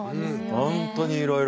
本当にいろいろ。